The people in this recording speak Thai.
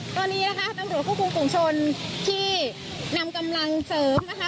ตอนนี้นะคะนำโหลดคู่กรุงกลุ่มชนที่นำกำลังเสริมนะคะ